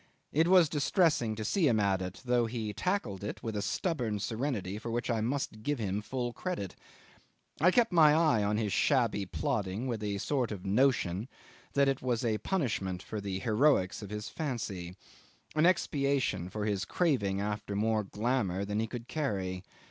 It was distressing to see him at it, though he tackled it with a stubborn serenity for which I must give him full credit. I kept my eye on his shabby plodding with a sort of notion that it was a punishment for the heroics of his fancy an expiation for his craving after more glamour than he could carry.